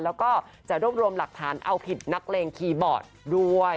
แล้วก็จะรวบรวมหลักฐานเอาผิดนักเลงคีย์บอร์ดด้วย